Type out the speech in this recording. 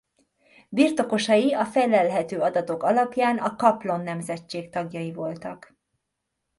Birtokosai a fellelhető adatok alapján a Kaplon nemzetség tagjai voltak.